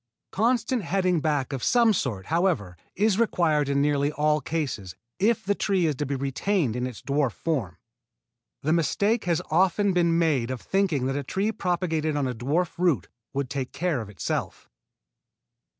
Constant heading back of some sort, however, is required in nearly all cases, if the tree is to be retained in its dwarf form. The mistake has often been made of thinking that a tree propagated on a dwarf root would take care of itself.